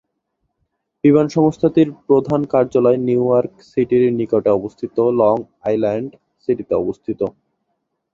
বিমান সংস্থাটির প্রধান কার্যালয় নিউইয়র্ক সিটির নিকটে অবস্থিত লং আইল্যান্ড সিটিতে অবস্থিত।